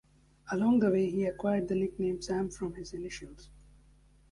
Along the way, he acquired the nickname "Sam" from his initials.